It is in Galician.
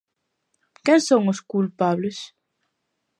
Quen son os culpables?